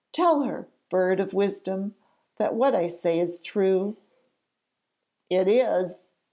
Tell her, Bird of Wisdom, that what I say is true.' 'It is!